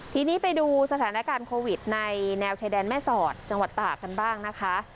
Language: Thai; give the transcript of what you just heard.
ทีนี้ไปดูสถานการณ์โควิดในแนวชายแดนแม่สอดจังหวัดตากกันบ้างนะคะ